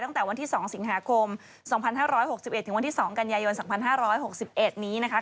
ตั้งแต่วันที่๒สิงหาคม๒๕๖๑ถึงวันที่๒กันยายน๒๕๖๑นี้นะคะ